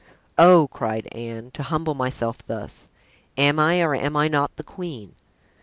"Oh!" cried Anne, "to humble myself thus! Am I, or am I not, the queen?